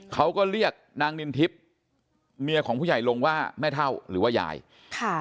เขาก็เรียกนางนินทิพย์เมียของผู้ใหญ่ลงว่าแม่เท่าหรือว่ายายค่ะ